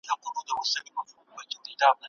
یو من څلوېښت سېره کیږي